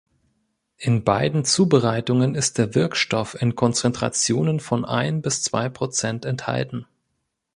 In beiden Zubereitungen ist der Wirkstoff in Konzentrationen von ein bis zwei Prozent enthalten.